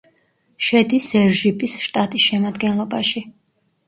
შედის სერჟიპის შტატის შემადგენლობაში.